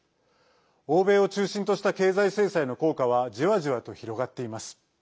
欧米を中心とした経済制裁の効果はじわじわと広がっています。